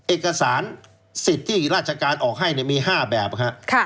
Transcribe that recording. เอกสารสิทธิ์ที่ราชการออกให้มี๕แบบครับ